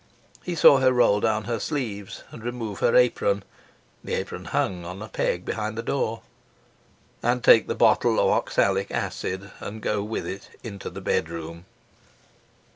He saw her roll down her sleeves and remove her apron the apron hung on a peg behind the door and take the bottle of oxalic acid and go with it into the bedroom.